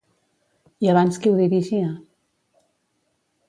I abans qui ho dirigia?